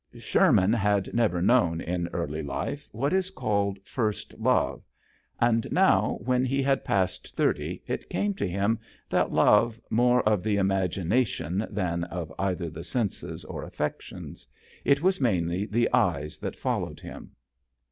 Sherman had never known in ^arly life what is called first love, and now, when he had passed thirty, it came to him that love more of the imagination than of either the senses or affections: it was mainly the eyes that fol lowed him.